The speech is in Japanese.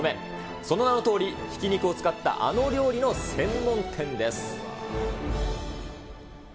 その名のとおり、ひき肉を使ったあの料理の専門店です。